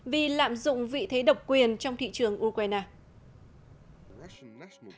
vì lạm dụng vị thế độc quyền trong thị trường ukraine